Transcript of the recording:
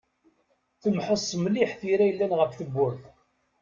Temḥeṣ mliḥ tira yellan ɣef tewwurt.